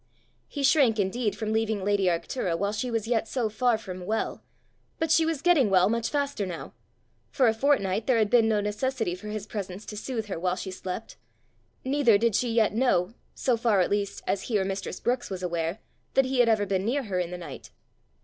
He shrank indeed from leaving lady Arctura while she was yet so far from well, but she was getting well much faster now: for a fortnight there had been no necessity for his presence to soothe her while she slept. Neither did she yet know, so far, at least, as he or mistress Brookes was aware, that he had ever been near her in the night!